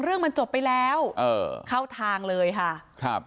เรื่องมันจบไปแล้วเออเข้าทางเลยค่ะครับ